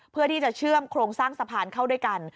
เพื่อที่จะเชื่อมโครงสร้างสะพานเข้าด้วยกัน